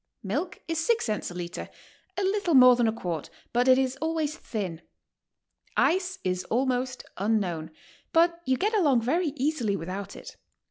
Milk is six cents a litre, — a little more than a quart, but it is always thin. Ice is almost un 150 GOING ABROAD? j known, but you get along very easily without it.